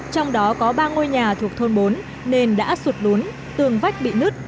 trong đó có ba ngôi nhà thuộc thôn bốn nên đã sụt lún tường vách bị nứt